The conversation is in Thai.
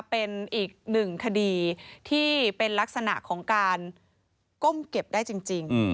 เป็นอีกหนึ่งคดีที่เป็นลักษณะของการก้มเก็บได้จริง